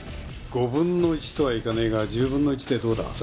５分の１とはいかねえが１０分の１でどうだ？